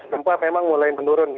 gempa memang mulai menurun